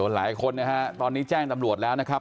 หลายคนนะฮะตอนนี้แจ้งตำรวจแล้วนะครับ